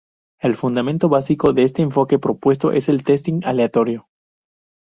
El fundamento básico de este enfoque propuesto es el testing aleatorio.